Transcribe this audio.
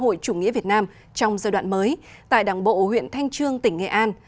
hội chủ nghĩa việt nam trong giai đoạn mới tại đảng bộ huyện thanh trương tỉnh nghệ an